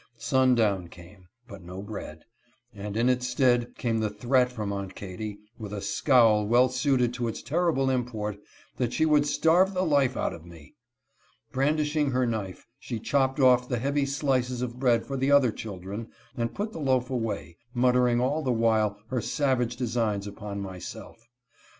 Sundown came, but no bread ; and in its stead came the threat from Aunt Katy, with a scowl well suited to its terrible import, that she would starve the life out of me. Brandishing her knife, she chopped off the heavy slices of bread for the other children, and put the loaf away, muttering all the while her savage designs upon myself.